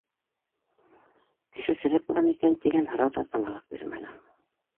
Кеше серек буламы икән тигән һорау ҙа тынғылыҡ бирмәне.